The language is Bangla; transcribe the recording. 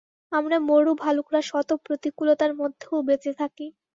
আমরা মরু ভালুকরা শত প্রতিকূলতার মধ্যেও বেঁচে থাকি।